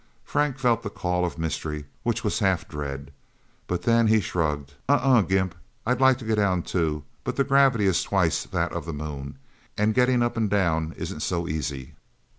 Frank felt the call of mystery which was half dread. But then he shrugged. "Uh uh, Gimp. I'd like to go down, too. But the gravity is twice that of the Moon getting up and down isn't so easy.